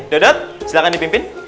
dodot silahkan dipimpin